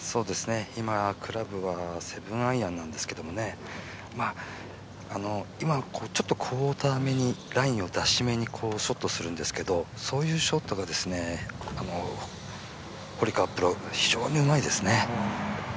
今、クラブは７アイアンなんですけれども、今、クオーターめにラインを出しめにショットをするんですけどそういうショットが堀川プロ非常にうまいですね。